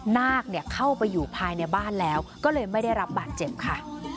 นาคเข้าไปอยู่ภายในบ้านแล้วก็เลยไม่ได้รับบาดเจ็บค่ะ